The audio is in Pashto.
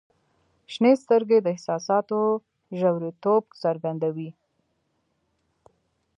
• شنې سترګې د احساساتو ژوریتوب څرګندوي.